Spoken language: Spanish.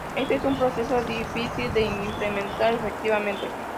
Este es un proceso difícil de implementar efectivamente.